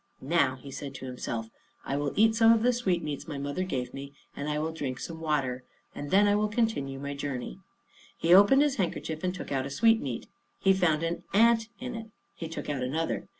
"Now," he said to himself, "I will eat some of the sweetmeats my mother gave me, and I will drink some water, and then I will continue my journey." He opened his handkerchief and took out a sweetmeat. He found an ant in it. He took out another.